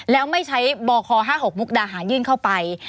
แล้วไม่ใช้บค๕๖มุกดาหารยื่นเข้าไป